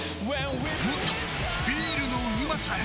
もっとビールのうまさへ！